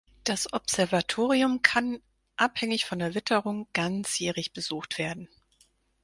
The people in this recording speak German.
Das Observatorium kann, abhängig von der Witterung, ganzjährig besucht werden.